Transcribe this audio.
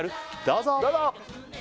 どうぞ！